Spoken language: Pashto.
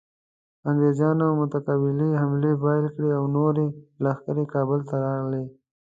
انګریزانو متقابلې حملې پیل کړې او نورې لښکرې کابل ته راغلې.